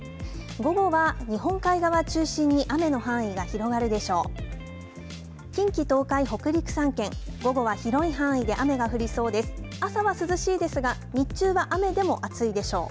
午後は、日本海側中心に雨の範囲が広がるでしょう。